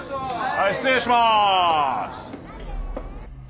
はい失礼しまーす。